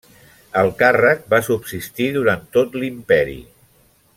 El càrrec va subsistir durant tot l'Imperi.